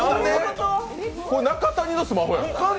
これ、中谷のスマホやん。